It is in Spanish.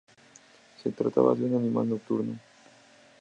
Se trataba de un animal nocturno.